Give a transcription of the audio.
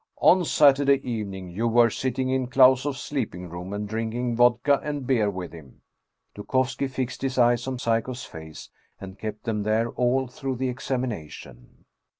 On Saturday evening you were sitting in Klausoff's sleeping room, and drinking vodka and beer with him." (Dukovski fixed his eyes on Psyekoff's face, and kept them there all through the examination.)